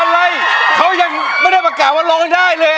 อะไรเขายังไม่ได้ประกาศว่าร้องได้เลย